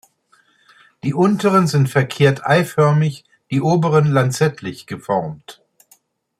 Die unteren sind verkehrt-eiförmig, die oberen lanzettlich geformt.